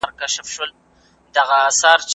د هغې د واده وليمه ئې درې ورځي وکړه.